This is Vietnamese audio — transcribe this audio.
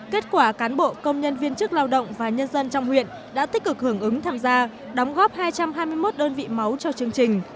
kết quả cán bộ công nhân viên chức lao động và nhân dân trong huyện đã tích cực hưởng ứng tham gia đóng góp hai trăm hai mươi một đơn vị máu cho chương trình